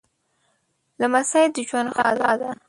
لمسی د ژوند ښکلا ده